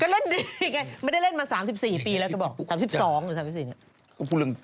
ก็เล่นดีไงไม่ได้เล่นมา๓๔ปีแล้วก็บอก๓๒ปี